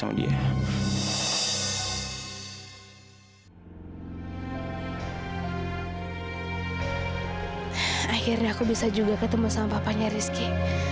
akhirnya aku bisa juga ketemu sama papanya rizky